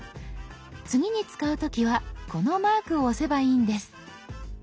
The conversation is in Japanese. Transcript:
次に使う時はこのマークを押せばいいんです。